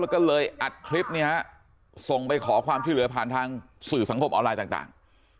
เราก็เลยอัดคลิปส่งไปขอความที่เหลือผ่านทางสื่อสังคมออนไลน์ต่าง